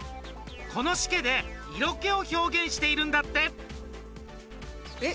このシケで色気を表現してるんだって。